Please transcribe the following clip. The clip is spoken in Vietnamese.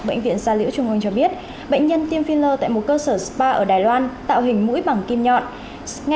bệnh viện gia liễu trung ương cho biết bệnh nhân tiêm filler tại một cơ sở spa ở đài loan tạo hình mũi bằng kim nhọn